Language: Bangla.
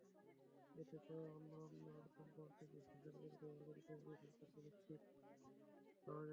এতে পাওয়া অনন্য কম্পাঙ্কটি বিশ্লেষণ করে ব্যবহারকারীর পরিচয় সম্পর্কে নিশ্চিত হওয়া যাবে।